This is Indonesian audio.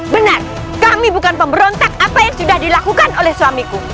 benar kami bukan pemberontak apa yang sudah dilakukan oleh suamiku